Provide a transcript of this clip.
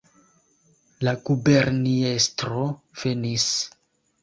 La guberniestro venis!